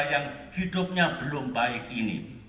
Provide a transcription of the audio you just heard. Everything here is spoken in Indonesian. yang hidupnya belum baik ini